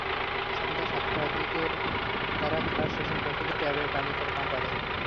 সন্ধ্যা সাতটার দিকে তারা খেলা শেষে মসজিদের ট্যাপের পানি পান করে।